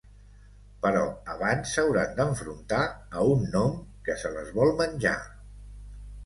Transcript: Però, abans s'hauran d'enfrontar a un gnom que se les vol menjar.